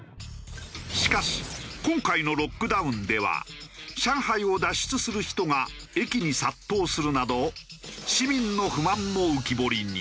しかし今回のロックダウンでは上海を脱出する人が駅に殺到するなど市民の不満も浮き彫りに。